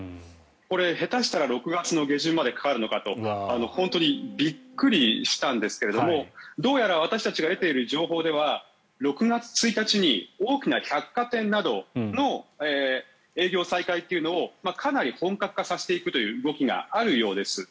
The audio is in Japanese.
これ、下手したら６月の下旬までかかるのかと本当にびっくりしたんですがどうやら私たちが得ている情報では６月１日に大きな百貨店などの営業再開というのをかなり本格化させていくという動きがあるようです。